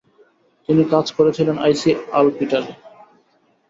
তিনি কাজ করেছিলেন আইসি আলপিটারে।